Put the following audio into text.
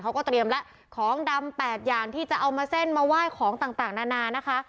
เขาก็เตรียมแล้วของดำ๘อย่างที่จะเอามาเส้นมาไหว้ของต่างนานานะคะ